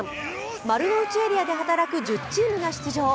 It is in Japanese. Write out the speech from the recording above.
丸の内エリアで働く１０チームが出場。